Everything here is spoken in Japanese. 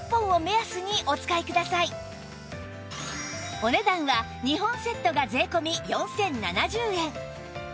お値段は２本セットが税込４０７０円